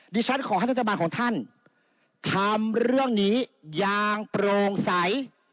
ดิฉันขอให้รัฐบาลของท่านทำเรื่องนี้อย่างโปร่งใส